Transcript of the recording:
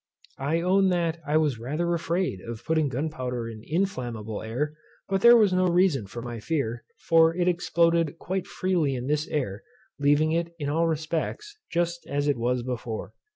I own that I was rather afraid of firing gunpowder in inflammable air, but there was no reason for my fear; for it exploded quite freely in this air, leaving it, in all respects, just as it was before.